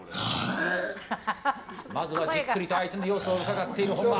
まずはじっくりと相手の様子をうかがっている、本間。